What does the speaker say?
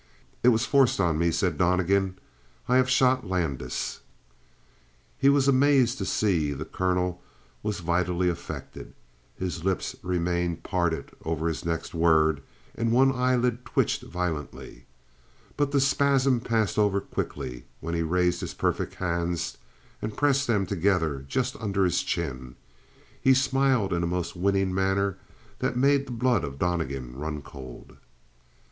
"It was forced on me," said Donnegan. "I have shot Landis." He was amazed to see the colonel was vitally affected. His lips remained parted over his next word, and one eyelid twitched violently. But the spasm passed over quickly. When he raised his perfect hands and pressed them together just under his chin. He smiled in a most winning manner that made the blood of Donnegan run cold.